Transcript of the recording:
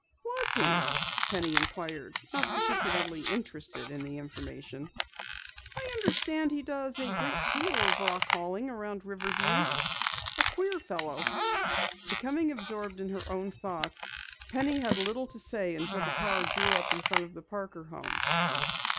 "Was he?" Penny inquired, not particularly interested in the information. "I understand he does a great deal of rock hauling around Riverview. A queer fellow." Becoming absorbed in her own thoughts, Penny had little to say until the car drew up in front of the Parker home.